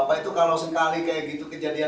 apa itu kalau sekali kayak gitu kejadian